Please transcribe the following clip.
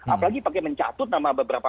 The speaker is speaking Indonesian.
apalagi pakai mencatut nama beberapa